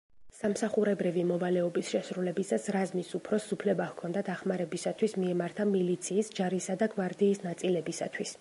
სამსახურებრივი მოვალეობის შესრულებისას რაზმის უფროსს უფლება ჰქონდა, დახმარებისათვის მიემართა მილიციის, ჯარისა და გვარდიის ნაწილებისათვის.